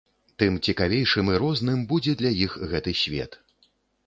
Тым цікавейшым і розным будзе для іх гэты свет.